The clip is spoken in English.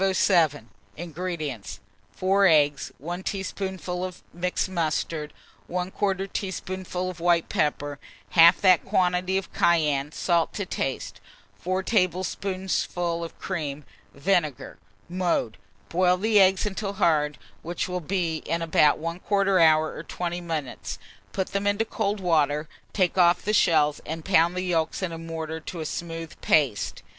507. INGREDIENTS. 4 eggs, 1 teaspoonful of mixed mustard, 1/4 teaspoonful of white pepper, half that quantity of cayenne, salt to taste, 4 tablespoonfuls of cream, vinegar. Mode. Boil the eggs until hard, which will be in about 1/4 hour or 20 minutes; put them into cold water, take off the shells, and pound the yolks in a mortar to a smooth paste.